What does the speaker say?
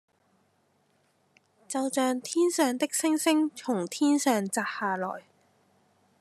就像天上的星星從天上擲下來